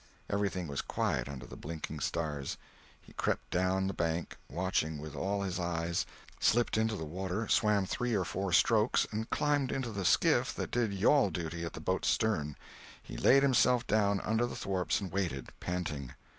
Everything was quiet under the blinking stars. He crept down the bank, watching with all his eyes, slipped into the water, swam three or four strokes and climbed into the skiff that did "yawl" duty at the boat's stern. He laid himself down under the thwarts and waited, panting.